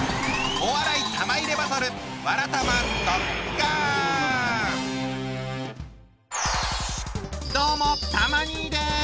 お笑い玉入れバトルどうもたま兄です。